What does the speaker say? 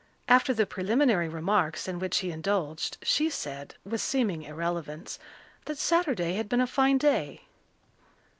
After the preliminary remarks in which he indulged, she said, with seeming irrelevance, that Saturday had been a fine day.